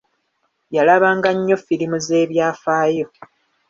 Yalabanga nnyo firimu z'ebyafaayo.